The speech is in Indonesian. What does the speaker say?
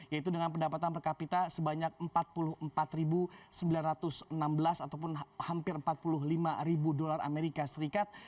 yaitu dengan pendapatan per kapita sebanyak empat puluh empat sembilan ratus enam belas ataupun hampir empat puluh lima dolar amerika serikat